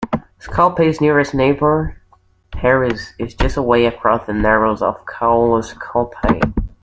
Scalpay's nearest neighbour, Harris, is just away across the narrows of Caolas Scalpaigh.